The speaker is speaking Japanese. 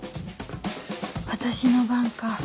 私の番か